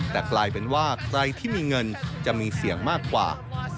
แต่กลายเป็นว่าใครที่มีเงินจะมีเสี่ยงมากกว่า